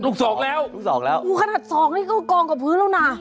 สองแล้วลูกสองแล้วอู้ขนาดสองนี่ก็กองกับพื้นแล้วนะ